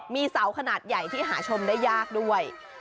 มีเสาขนาดใหญ่ที่หาชมได้ยากด้วย